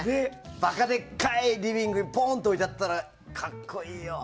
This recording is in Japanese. バカでかいリビングにポーンと置いてあったら格好いいよ。